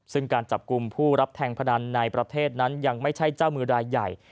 ซึ่งการจับกลุ่มผู้รับแทงพนันในประเทศนั้นยังไม่ใช่เจ้ามือรายใหญ่